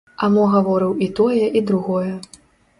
А мо гаварыў і тое і другое.